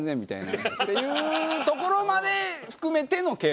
ハハハハ！っていうところまで含めての。